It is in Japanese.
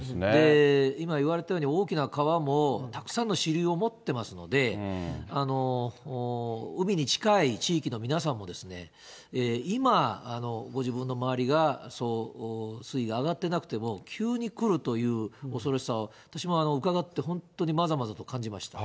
今、言われたように、大きな川もたくさんの支流を持ってますので、海に近い地域の皆さんも、今、ご自分の周りがそう水位が上がってなくても、急に来るという恐ろしさを、私も伺って本当にまざまざと感じました。